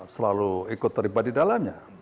selalu ikut terlibat di dalamnya